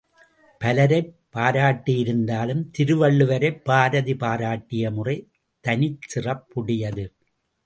பலரைப் பாராட்டியிருந்தாலும் திருவள்ளுவரைப் பாரதி பாராட்டிய முறை தனிச்சிறப்புடையது.